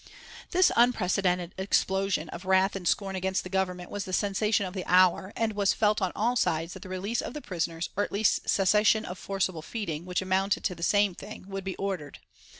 This unprecedented explosion of wrath and scorn against the Government was the sensation of the hour, and it was felt on all sides that the release of the prisoners, or at least cessation of forcible feeding, which amounted to the same thing, would be ordered.